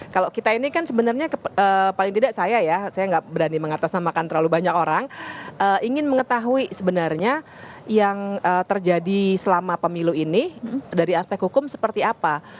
kalau kita ini kan sebenarnya paling tidak saya ya saya nggak berani mengatasnamakan terlalu banyak orang ingin mengetahui sebenarnya yang terjadi selama pemilu ini dari aspek hukum seperti apa